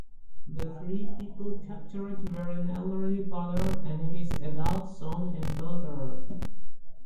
The three people captured were an elderly father and his adult son and daughter.